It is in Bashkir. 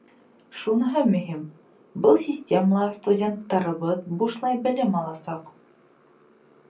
Шуныһы мөһим: был системала студенттарыбыҙ бушлай белем аласаҡ.